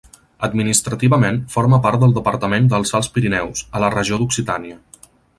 Administrativament forma part del departament dels Alts Pirineus, a la regió d'Occitània.